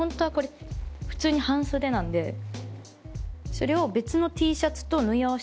それを。